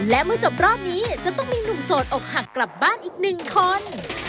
และเมื่อจบรอบนี้จะต้องมีหนุ่มโสดอกหักกลับบ้านอีกหนึ่งคน